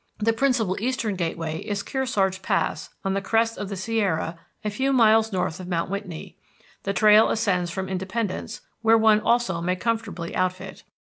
The principal eastern gateway is Kearsarge Pass, on the crest of the Sierra a few miles north of Mount Whitney. The trail ascends from Independence, where one also may comfortably outfit.